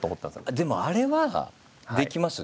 でもあれはできますよ